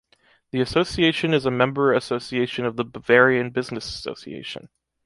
The association is a member association of the Bavarian Business Association.